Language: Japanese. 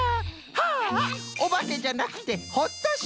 はあおばけじゃなくてほっとした！